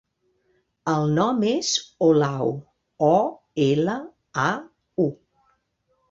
El nom és Olau: o, ela, a, u.